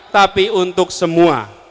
tapi untuk semua